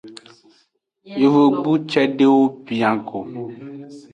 Yovogbu cedewo bia go.